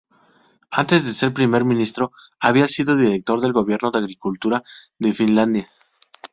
Antes de ser primer ministro había sido director del gobierno de agricultura de Finlandia.